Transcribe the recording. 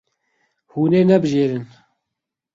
Hûn ê nebijêrin.